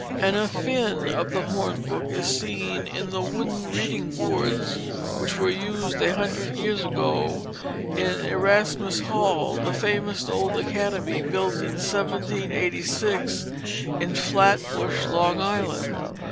An affine of the hornbook is seen in the wooden "reading boards" which were used a hundred years ago in Erasmus Hall, the famous old academy built in 1786 in Flatbush, Long Island.